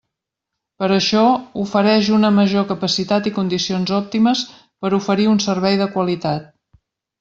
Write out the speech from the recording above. Per això, ofereix una major capacitat i condicions òptimes per oferir un servei de qualitat.